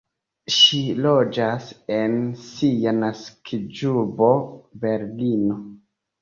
Ŝi loĝas en sia naskiĝurbo Berlino.